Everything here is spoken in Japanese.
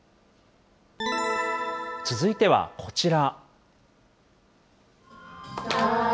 続いてはこちら。